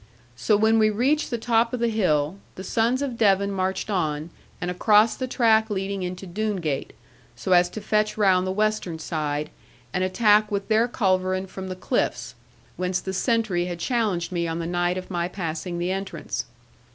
So when we reached the top of the hill, the sons of Devon marched on, and across the track leading into Doone gate, so as to fetch round the western side, and attack with their culverin from the cliffs, whence the sentry had challenged me on the night of my passing the entrance.